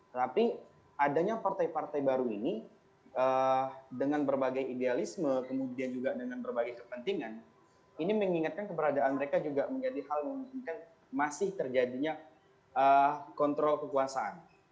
tapi adanya partai partai baru ini dengan berbagai idealisme kemudian juga dengan berbagai kepentingan ini mengingatkan keberadaan mereka juga menjadi hal memungkinkan masih terjadinya kontrol kekuasaan